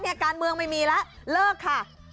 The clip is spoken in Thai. อ่ะเนี่ยการเมืองไม่มีละเลิกค่ะ